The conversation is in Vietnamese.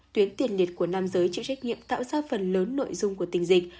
tuyến tiền liệt của nam giới chịu trách nhiệm tạo ra phần lớn nội dung của tình dịch